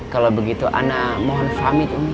kalau begitu ana mohon famit umi